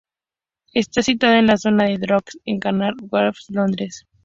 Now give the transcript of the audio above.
Está situado en en la zona de Docklands en el Canary Wharf, Londres.